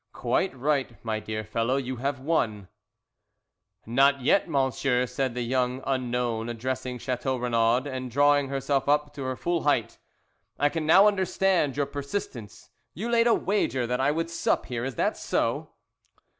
"Quite right, my dear fellow, you have won." "Not yet, monsieur," said the young unknown addressing Chateau Renaud, and drawing herself up to her full height. "I can now understand your persistence. You laid a wager that I would sup here. Is that so?"